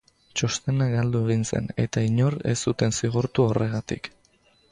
Txostena galdu egin zen eta inor ez zuten zigortu horregatik.